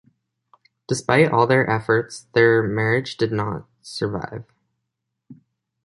Despite all their efforts, their marriage did not survive.